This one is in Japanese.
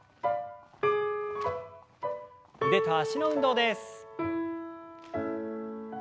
腕と脚の運動です。